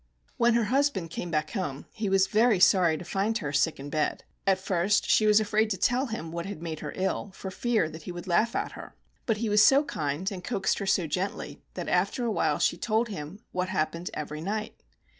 When her husband came back home, he was very sorry to find her sick in bed. At first she was afraid to tell him what had made her ill, for fear that he would laugh at her. But he „.,.., Google CHIN CHIN KOBAKAMA 15 was so kind, and coaxed her so gently, that after a while she told him what happened every night.